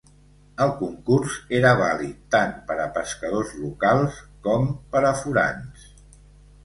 El concurs era vàlid tant per a pescadors locals com per a forans.